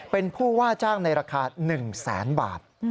เป็นผู้ว่าจ้างในราคา๑แสนบาท